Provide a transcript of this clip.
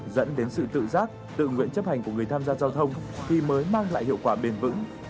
dẫn đến sự tự giác tự nguyện chấp hành của người tham gia giao thông thì mới mang lại hiệu quả bền vững